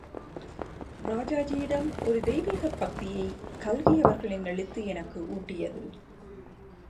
ராஜாஜியிடம் ஒரு தெய்வீகப் பக்தியை கல்கி அவர்களின் எழுத்து எனக்கு ஊட்டியது.